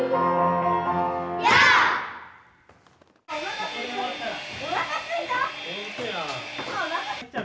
おなかすいた！